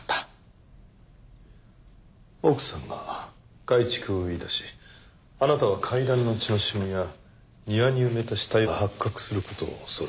奥さんが改築を言いだしあなたは階段の血の染みや庭に埋めた死体が発覚する事を恐れた。